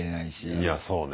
いやそうね。